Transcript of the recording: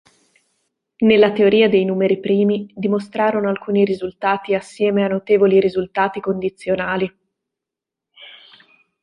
Nella teoria dei numeri primi, dimostrarono alcuni risultati assieme a notevoli risultati condizionali.